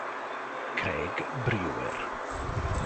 Craig Brewer